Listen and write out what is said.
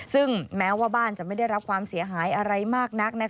ซึ่งแม้ว่าบ้านจะไม่ได้รับความเสียหายอะไรมากนัก